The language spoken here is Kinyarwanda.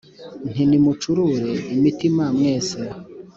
nti nimucurure imitima mwese,